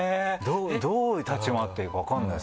どう立ち回っていいか分かんないです